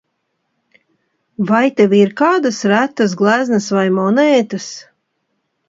Vai tev ir kādas retas gleznas vai monētas?